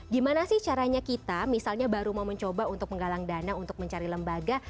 gimana sih caranya kita misalnya baru mau mencoba untuk menggalang dana untuk mencari lembaga